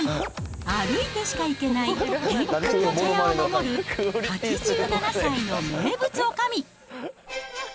歩いてしか行けない天空の茶屋を守る８７歳の名物おかみ。